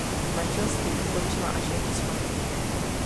Manželství ukončila až jeho smrt.